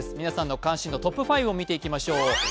皆さんの関心度トップ５を見ていきましょう。